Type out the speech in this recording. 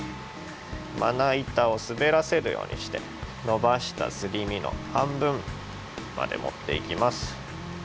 まないたをすべらせるようにしてのばしたすり身のはんぶんまでもっていきます。